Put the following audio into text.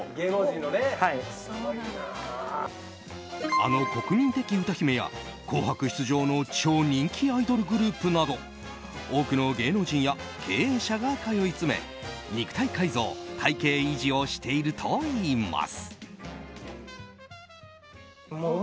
あの国民的歌姫や「紅白」出場の超人気アイドルグループなど多くの芸能人や経営者が通い詰め肉体改造、体形維持をしているといいます。